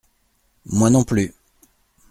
Moi non plus.